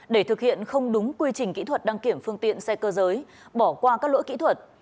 để thực hiện không đúng quy trình kỹ thuật đăng kiểm phương tiện xe cơ giới bỏ qua các lỗi kỹ thuật